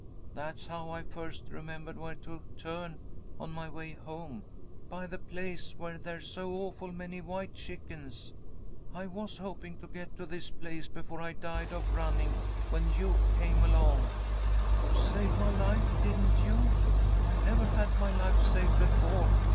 That's how I first remembered where to turn on my way home, by the place where there's so awful many white chickens. I was hoping to get to his place before I died of running, when you came along. You saved my life, didn't you? I never had my life saved before.